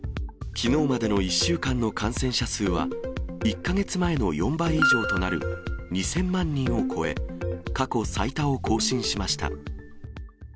きのうまでの１週間の感染者数は、１か月前の４倍以上となる２０００万人を超え、過去最多を更新しました。